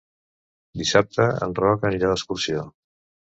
Dissabte en Roc anirà d'excursió.